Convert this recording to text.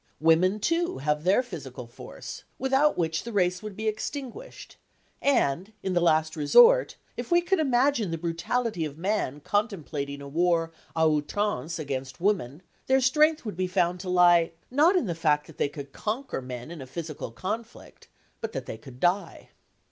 Women, too, have their physical force, without which the race would be extinguished; and, in the last resort, if we could imagine the brutality of man contemplating a war à outrance against women, their strength would be found to lie, not in the fact that they could conquer men in a physical conflict, but that they could die.